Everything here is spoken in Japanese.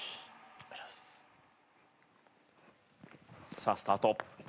さあスタート。